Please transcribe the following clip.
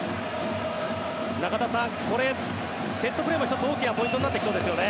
中田さん、これセットプレーも１つ大きなポイントになってきますよね。